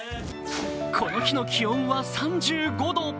この日の気温は３５度。